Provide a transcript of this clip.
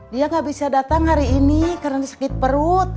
dia gak bisa datang hari ini karena sakit perut